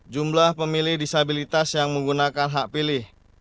jumlah pemilih disabilitas yang menggunakan hak pilih